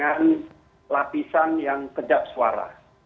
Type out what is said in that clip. dan lapisan yang kedap suara